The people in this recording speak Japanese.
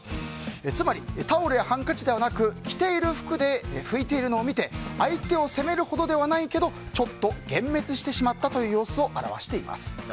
つまりタオルやハンカチではなく着ている服で拭いているのを見て相手を責めるほどではないけどちょっと幻滅してしまったという様子を表しています。